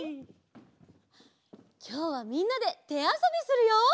きょうはみんなでてあそびするよ！